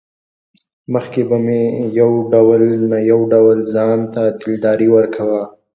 مخکې به مې يو ډول نه يو ډول ځانته دلداري ورکوه.